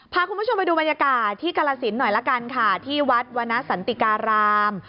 พาคุณผู้ชมไปดูบรรยากาศที่กรสินหน่อยละกันค่ะที่วัดวรรณสันติการาม